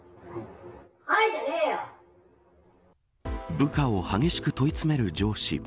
部下を激しく問い詰める上司。